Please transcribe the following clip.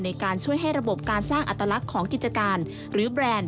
ในการช่วยให้ระบบการสร้างอัตลักษณ์ของกิจการหรือแบรนด์